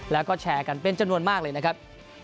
แล้วก็แชร์กันเป็นจำนวนมากเลยนะครับ